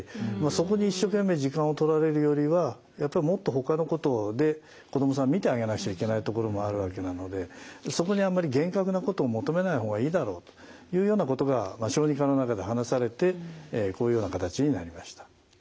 そこに一生懸命時間をとられるよりはやっぱりもっとほかのことで子どもさん見てあげなくちゃいけないところもあるわけなのでそこにあんまり厳格なことを求めない方がいいだろういうようなことが小児科の中で話されてこういうような形になりました。